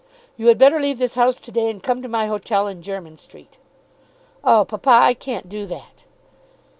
"You had better leave this house to day, and come to my hotel in Jermyn Street." "Oh, papa, I can't do that."